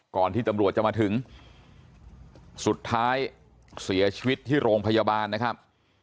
ที่ตำรวจจะมาถึงสุดท้ายเสียชีวิตที่โรงพยาบาลนะครับ